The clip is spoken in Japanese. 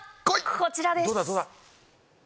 こちらです。